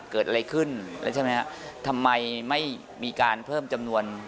เกิดอะไรขึ้นทำไมไม่มีการเพิ่มจำนวน